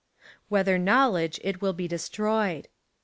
^ Whether knowledge, it will he destroyed.